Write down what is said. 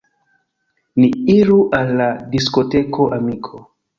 Ni iru al la diskoteko, amiko!